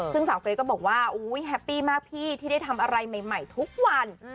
ซึ่งสาวเกรทก็บอกว่าแฮปปี้มากพี่ที่ได้ทำอะไรใหม่ทุกวัน